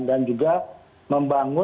dan juga membangun